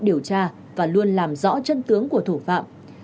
điều tra và luôn làm rõ chân tướng của thủ phạm